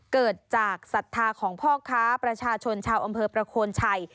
เกิดจากศรัทธาของพ่อค้าประชาชนชาวอำเภอประโคนชัย